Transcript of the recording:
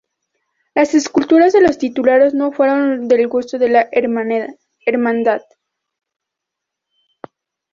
Las esculturas de los titulares no fueron del gusto de la hermandad.